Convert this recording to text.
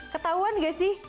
ketahuan nggak sih